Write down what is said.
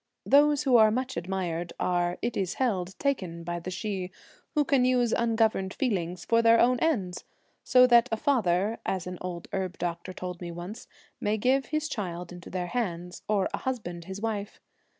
43 Those who are much admired are, it is held, taken by the Sidhe, who can use ungoverned feeling for their own ends, so that a father, as an old herb doctor told me once, may give his child into their hands, or a husband his wife.